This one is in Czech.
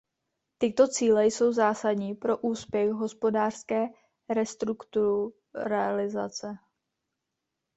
Tyto cíle jsou zásadní pro úspěch hospodářské restrukturalizace.